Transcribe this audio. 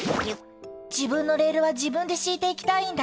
自分のレールは自分で敷いていきたいんだ。